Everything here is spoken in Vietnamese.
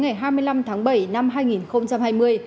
ngày hai mươi năm tháng bảy năm hai nghìn hai mươi